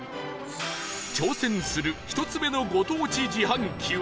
挑戦する１つ目のご当地自販機は